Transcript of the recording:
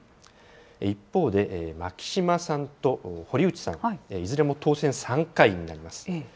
一方で牧島さんと堀内さん、いずれも当選３回になります。